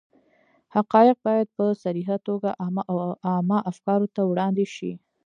حقایق باید په صریحه توګه عامه افکارو ته وړاندې شي.